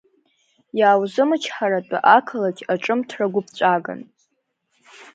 Иааузымычҳаратәы ақалақь аҿымҭра гәыԥҵәаган.